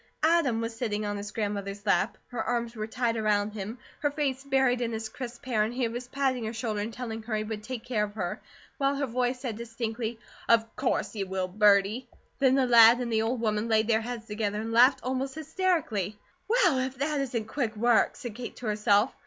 Adam was sitting on his grandmother's lap. Her arms were tight around him, her face buried in his crisp hair, and he was patting her shoulder and telling her he would take care of her, while her voice said distinctly: "Of course you will, birdie!" Then the lad and the old woman laid their heads together and laughed almost hysterically. "WELL, IF THAT ISN'T QUICK WORK!" said Kate to herself.